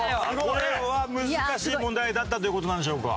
これは難しい問題だったという事なんでしょうか？